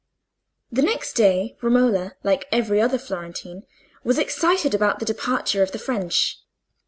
The next day Romola, like every other Florentine, was excited about the departure of the French.